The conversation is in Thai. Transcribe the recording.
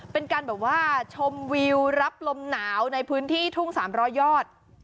เป็นการแบบว่าชมวิวรับลมหนาวในพื้นที่ทุ่ง๓๐๐ยอด